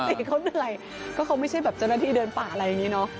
เขาเหนื่อยก็เขาไม่ใช่แบบเจ้าหน้าที่เดินป่าอะไรอย่างนี้เนอะ